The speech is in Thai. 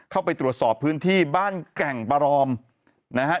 เข้าไปตรวจสอบพื้นที่บ้านแก่งประรอมนะฮะ